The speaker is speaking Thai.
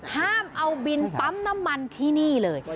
ห้ามเอาบินปั๊มน้ำมันที่นี่เลย